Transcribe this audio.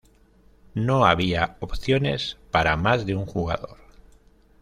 No había opciones para más de un jugador.